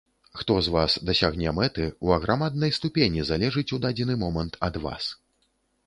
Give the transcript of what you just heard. Хто з вас дасягне мэты, у аграмаднай ступені залежыць у дадзены момант ад вас.